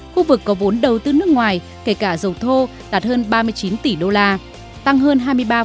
khu vực có vốn đầu tư nước ngoài kể cả dầu thô đạt hơn ba mươi chín tỷ đô la tăng hơn hai mươi ba